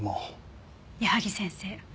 矢萩先生